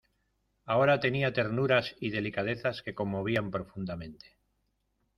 Ahora tenía ternuras y delicadezas que conmovían profundamente.